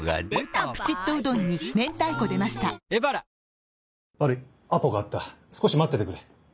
本麒麟悪いアポがあった少し待っててくれ。